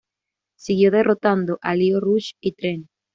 Siguió derrotando a Lio Rush y Trent?